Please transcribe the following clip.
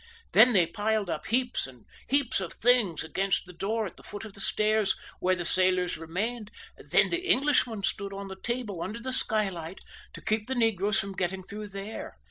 They then piled up heaps and heaps of things against the door at the foot of the stairs where the sailors remained; then the Englishman stood on the table, under the skylight, to keep the negroes from getting through there.